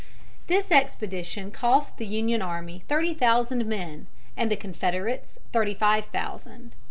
] This expedition cost the Union army thirty thousand men and the Confederates thirty five thousand.